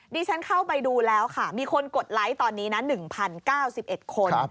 ดิฉันเข้าไปดูแล้วค่ะมีคนกดไลค์ตอนนี้นะ๑๐๙๑คน